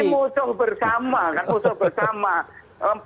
ini musuh bersama kan musuh bersama